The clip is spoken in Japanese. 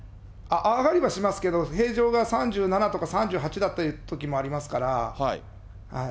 上がりはしますけど、平常が３７とか３８だったときもありますから。